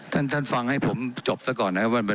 ท่านท่านฟังให้ผมจบตะก่อนนะครับ